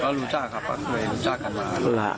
ก็รู้จักครับเคยรู้จักกันมา